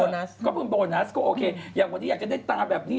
ฟนก็ไม่เป็นไรพี่สมมติอยากจะได้ตาแบบนี้